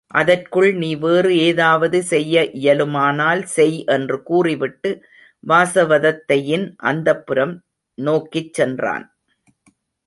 அதற்குள் நீ வேறு ஏதாவது செய்ய இயலுமானால் செய் என்று கூறிவிட்டு வாசவதத்தையின் அந்தப் புரம் நோக்கிச் சென்றான்.